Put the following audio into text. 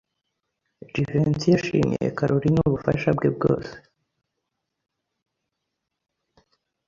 Jivency yashimiye Kalorina ubufasha bwe bwose.